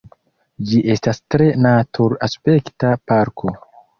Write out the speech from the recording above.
Ĝi estas tre natur-aspekta parko.